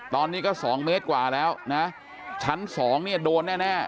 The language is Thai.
ตอนนี้ก็๒เมตรกว่าแล้วชั้น๒โดนแน่